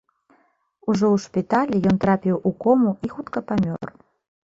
Ужо ў шпіталі ён трапіў у кому і хутка памер.